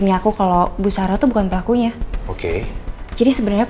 dan kebersihan studying